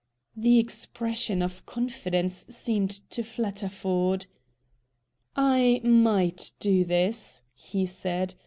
The expression of confidence seemed to flatter Ford. "I might do this," he said.